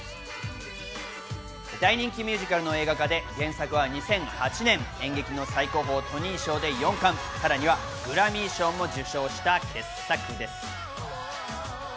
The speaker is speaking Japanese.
大人気ミュージカルの映画化で原作は２００８年、演劇の最高峰・トニー賞で４冠、さらにグラミー賞も受賞した傑作です。